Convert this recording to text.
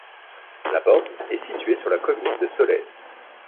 La borne est située sur la commune de Solaize.